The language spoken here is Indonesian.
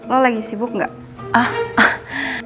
lo lagi sibuk gak